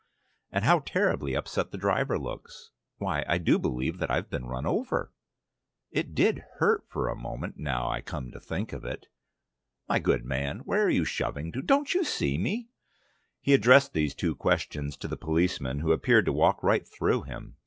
And how terribly upset the driver looks. Why, I do believe that I've been run over! It did hurt for a moment, now I come to think of it ...My good man, where are you shoving to? Don't you see me?" He addressed these two questions to the policeman, who appeared to walk right through him.